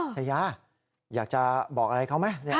ชายาอยากจะบอกอะไรเขาไหม